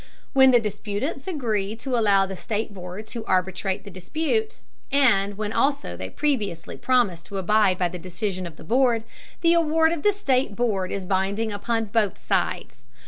When the disputants agree to allow the state board to arbitrate the dispute, and when also they previously promise to abide by the decision of the board, the award of the state board is binding upon both sides.